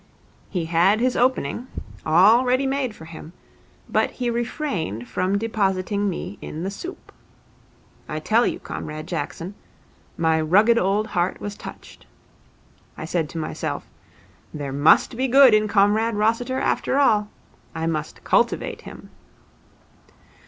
He had his opening, all ready made for him, but he refrained from depositing me in the soup. I tell you, Comrade Jackson, my rugged old heart was touched. I said to myself, "There must be good in Comrade Rossiter, after all. I must cultivate him."